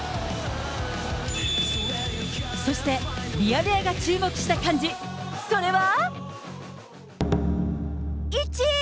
そして、ミヤネ屋が注目した漢字、それは。